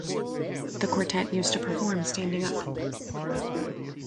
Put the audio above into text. The quartet used to perform standing up.